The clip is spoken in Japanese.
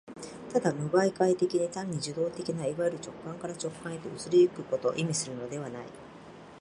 ただ無媒介的に、単に受働的ないわゆる直観から直観へと移り行くことを意味するのではない。